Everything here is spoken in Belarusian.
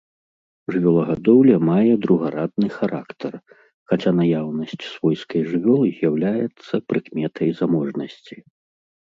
Жывёлагадоўля мае другарадны характар, хаця наяўнасць свойскай жывёлы з'яўляецца прыкметай заможнасці.